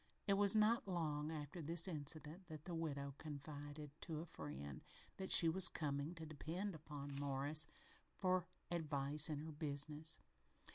It was not long after this incident that the widow confided to a friend that she was coming to depend upon Morris for advice in her business.